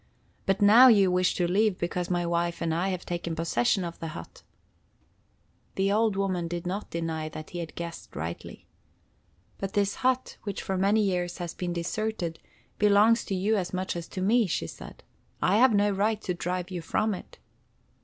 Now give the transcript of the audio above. But now you wish to leave because my wife and I have taken possession of the hut." The old woman did not deny that he had guessed rightly. "But this hut, which for many years has been deserted, belongs to you as much as to me," she said. "I have no right to drive you from it."